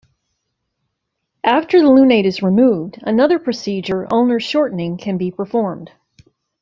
After the lunate is removed, another procedure, "ulnar shortening" can be performed.